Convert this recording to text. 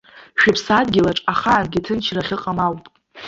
Шәыԥсадгьылаҿ ахаангьы ҭынчра ахьыҟам ауп.